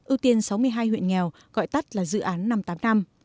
ưu tiên sáu mươi hai huyện nghèo gọi tắt là dự án năm tám năm